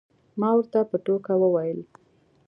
ما ورته په ټوکه وویل.